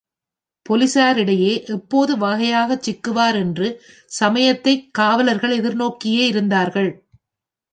போலீசாரிடையே எப்போது வகையாகச் சிக்குவார் என்று சமயத்தை காவலர்கள் எதிர்நோக்கியே இருந்தார்கள்.